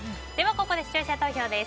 ここで視聴者投票です。